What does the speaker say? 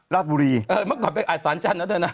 ราชบุรีเออเมื่อก่อนไปอาศัลจันทร์นะเธอนะ